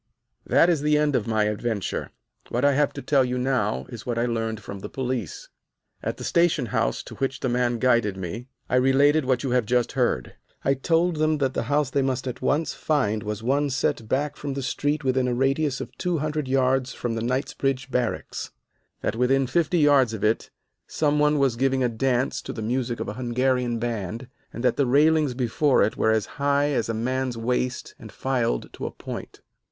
"That is the end of my adventure. What I have to tell you now is what I learned from the police. "At the station house to which the man guided me I related what you have just heard. I told them that the house they must at once find was one set back from the street within a radius of two hundred yards from the Knightsbridge Barracks, that within fifty yards of it some one was giving a dance to the music of a Hungarian band, and that the railings before it were as high as a man's waist and filed to a point.